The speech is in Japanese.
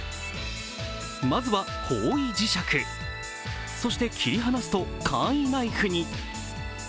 まずは方位磁石、そして切り離すと簡易ナイフに。